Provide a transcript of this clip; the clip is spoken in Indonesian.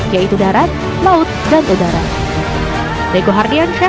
yaitu darat laut dan udara